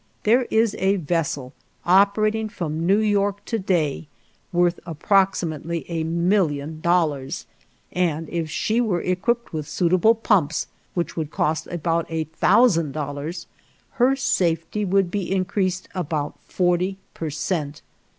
There is a vessel operating from New York to day worth approximately a million dollars, and if she were equipped with suitable pumps, which would cost about a thousand dollars, her safety would be increased about forty per cent.